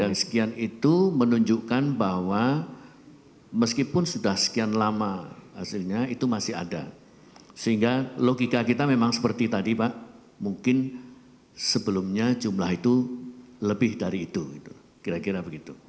dan siani itu menunjukkan bahwa meskipun sudah sekian lama hasilnya itu masih ada sehingga logika kita memang seperti tadi pak mungkin sebelumnya jumlah itu lebih dari itu kira kira begitu